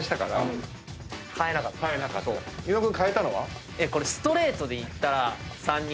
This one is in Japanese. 伊野尾君変えたのは？